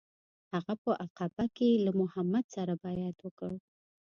هغه په عقبه کې له محمد سره بیعت وکړ.